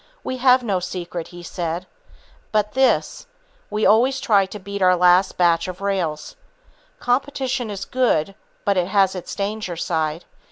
"We have no secret," he said, "but this, we always try to beat our last batch of rails." Competition is good, but it has its danger side.